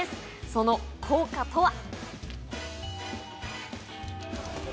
その効果とは？